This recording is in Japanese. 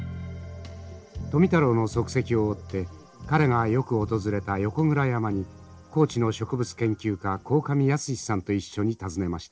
富太郎の足跡を追って彼がよく訪れた横倉山に高知の植物研究家鴻上泰さんと一緒に訪ねました。